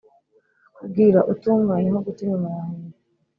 Kubwira utumva ni nko guta inyuma ya Huye.